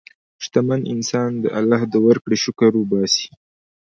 شتمن انسان د الله د ورکړې شکر وباسي.